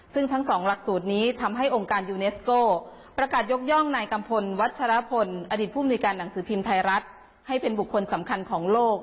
ซึ่งทั้งสองหลักสูตรนี้ทำให้องค์การยูเนสโก้ประกาศยกย่องนายกัมพลวัชรพลอดีตผู้มนุยการหนังสือพิมพ์ไทยรัฐให้เป็นบุคคลสำคัญของโลก